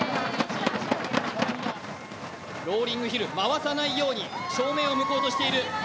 ローリングヒル、回さないように正面を向こうとしています。